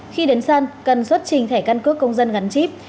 khi đến sân cần xuất trình thẻ căn cước công dân gắn chip